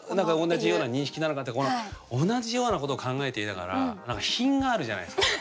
同じような認識なのかって同じようなことを考えていながら何か品があるじゃないですか。